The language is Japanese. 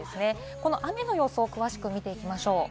この雨の予想を見ていきましょう。